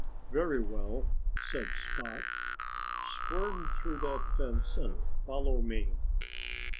"Very well!" said Spot. "Squirm through that fence and follow me."